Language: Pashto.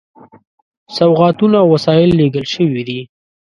سوغاتونه او وسایل لېږل شوي دي.